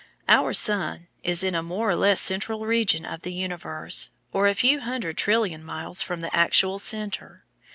Our sun is in a more or less central region of the universe, or a few hundred trillion miles from the actual centre.